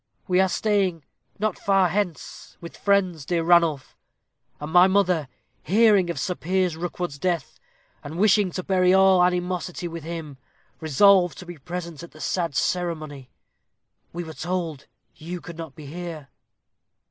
"We are staying not far hence, with friends, dear Ranulph; and my mother, hearing of Sir Piers Rookwood's death, and wishing to bury all animosity with him, resolved to be present at the sad ceremony. We were told you could not be here."